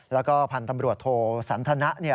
แล้วก็พันธุ์ตำรวจโทสันทนะ